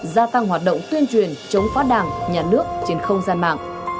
gia tăng hoạt động tuyên truyền chống phá đảng nhà nước trên không gian mạng